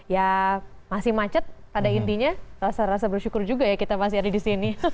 ya masih macet pada intinya rasa rasa bersyukur juga ya kita masih ada di sini